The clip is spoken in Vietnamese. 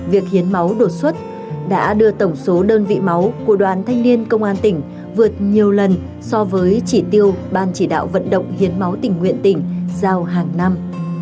việc hiến máu đột xuất đã đưa tổng số đơn vị máu của đoàn thanh niên công an tỉnh vượt nhiều lần so với chỉ tiêu ban chỉ đạo vận động hiến máu tỉnh nguyện tỉnh giao hàng năm